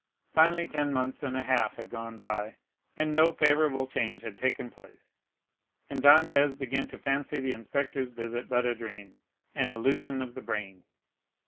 Finally ten months and a half had gone by and no favorable change had taken place, and Dantès began to fancy the inspector's visit but a dream, an illusion of the brain.